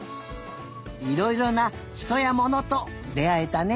いろいろなひとやものとであえたね。